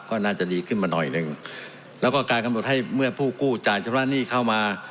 ก็น่าจะดีขึ้นมาหน่อยหนึ่งแล้วก็การกำหนดให้เมื่อผู้กู้จ่ายชำระหนี้เข้ามา